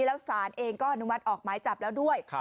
แล้วสารเองก็อนุมัติออกหมายจับแล้วด้วย